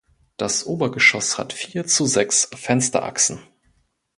Das Obergeschoss hat vier zu sechs Fensterachsen.